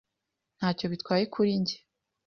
Ntacyo bitwaye kuri njye.